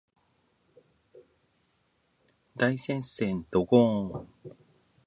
大接戦ドゴーーン